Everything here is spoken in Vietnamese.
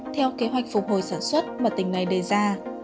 theo kế hoạch phục hồi sản xuất mà tỉnh này đề ra